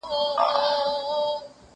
چي په لاره کي څو ځلي سوله ورکه